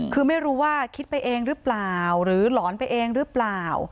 คือไม่รู้ว่าคิดไปเองหรือเปล่าหรือหลอนไปเองหรือเปล่า